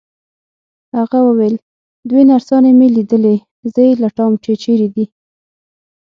هغه وویل: دوې نرسانې مي لیدلي، زه یې لټوم چي چیري دي.